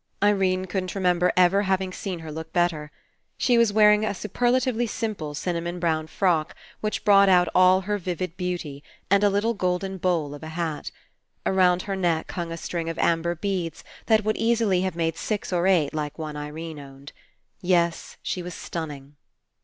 Irene couldn't remember ever having seen her look better. She was wear ing a superlatively simple cinnamon brown frock which brought out all her vivid beauty, and a little golden bowl of a hat. Around her neck hung a string of amber beads that would easily have made six or eight like i68 FINALE one Irene owned. Yes, she was stunning.